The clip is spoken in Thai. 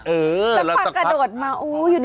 เออแล้วสักพักแล้วปากกระโดดมาโอ้ยอยู่ในออฟตอน